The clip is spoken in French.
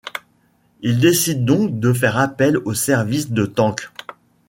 Il décide donc de faire appel aux services de Tank.